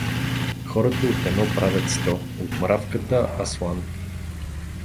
Хората от едно правят сто, от мравката аслан!